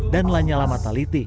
dan lainnya alamatiliti